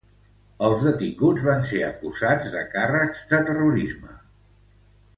Els detinguts van ser acusats de càrrecs de terrorisme.